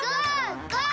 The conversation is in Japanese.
ゴー！